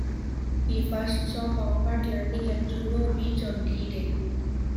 He first saw combat landing at Juno Beach on D-Day.